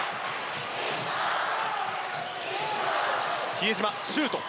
比江島、シュート！